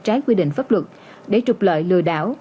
trái quy định pháp luật để trục lợi lừa đảo